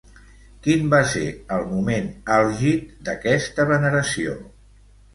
Quin va ser el moment àlgid d'aquesta veneració?